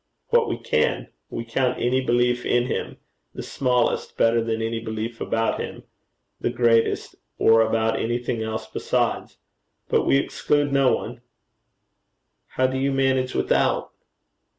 'What we can. We count any belief in him the smallest better than any belief about him the greatest or about anything else besides. But we exclude no one.' 'How do you manage without?'